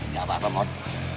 gak apa apa mbak